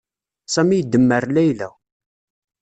Sami idemmer Layla.